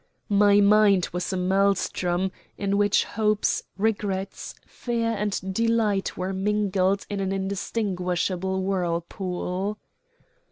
My mind was a maelstrom, in which hopes, regrets, fear, and delight were mingled in an indistinguishable whirlpool.